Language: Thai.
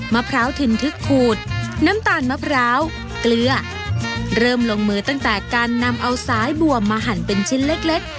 มะพร้าวถิ่นทึกขูดน้ำตาลมะพร้าวเกลือเริ่มลงมือตั้งแต่การนำเอาสายบัวมาหั่นเป็นชิ้นเล็กเล็ก